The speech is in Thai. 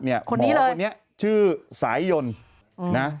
หมอคนนี้ชื่อสายยนต์